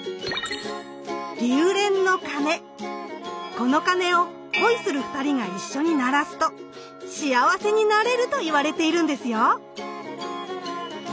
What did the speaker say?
この鐘を恋する２人が一緒に鳴らすと幸せになれるといわれているんですよ。